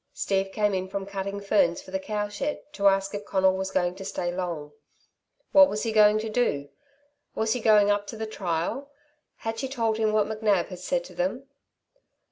Steve came in from cutting ferns for the cow shed to ask if Conal was going to stay long. What was he going to do? Was he going up to the trial? Had she told him what McNab had said to them?